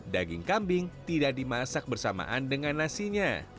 daging kambing tidak dimasak bersamaan dengan nasinya